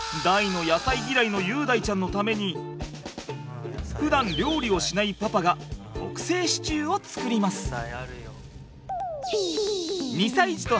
大の野菜ギライの結大ちゃんのためにふだん料理をしないパパが特製シチューを作ります。